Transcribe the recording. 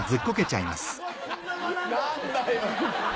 何だよ。